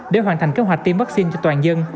để hoàn thành kế hoạch tiêm vaccine cho toàn dân